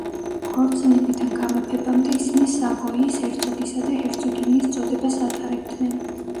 ქორწინებიდან გამეფებამდე ისინი სავოიის ჰერცოგისა და ჰერცოგინიის წოდებას ატარებდნენ.